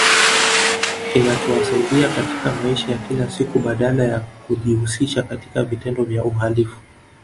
Kinachowasaidia katika maisha ya kila siku badala ya kujihusisha katika vitendo vya uhalifu